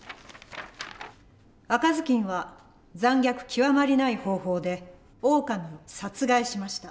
赤ずきんは残虐極まりない方法でオオカミを殺害しました。